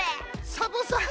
サボさん。